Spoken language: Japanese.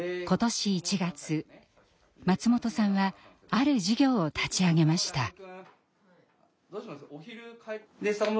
今年１月松本さんはある事業を立ち上げました。